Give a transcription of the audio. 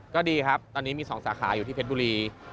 ก็ดีครับตอนนี้มี๒สาขาอยู่ที่เพชรบุรี